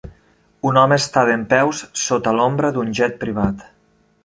Un home està dempeus sota l'ombra d'un jet privat.